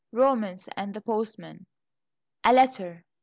Romance and the Postman A letter!